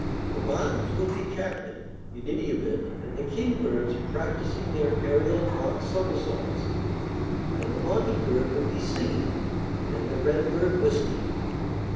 The martins would be cackling, in any event, and the kingbirds practicing their aerial mock somersaults; and the mocking bird would be singing, and the redbird whistling.